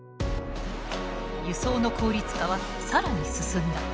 輸送の効率化は更に進んだ。